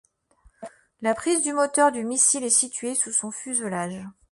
La prise d'air du moteur du missile est située sous son fuselage.